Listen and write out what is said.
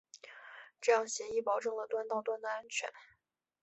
这样协议保证了端到端的安全。